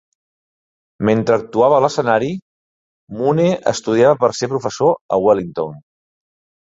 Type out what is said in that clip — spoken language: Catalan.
Mentre actuava a l'escenari, Mune estudiava per ser professor a Wellington.